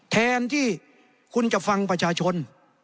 แทนที่คุณจะฟังประชาชน